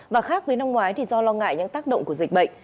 và khác với năm ngoái thì do lo ngại những tác động của dịch bệnh